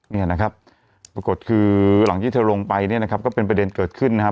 เนี่ยนะครับปรากฏคือหลังที่เธอลงไปเนี่ยนะครับก็เป็นประเด็นเกิดขึ้นนะครับ